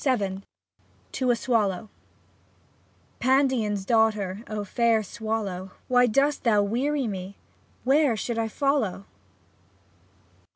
VII TO A SWALLOW Pandion's daughter — O fair swallow, W^hy dost thou weary me — (Where should I follow